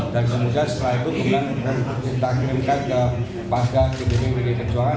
dan kemudian setelah itu kita kirimkan ke bagal pdi pdi perjuangan